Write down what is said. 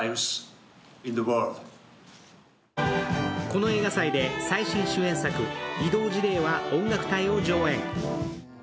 この映画祭で最新主演作、「異動辞令は音楽隊！」を上演。